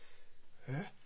えっ？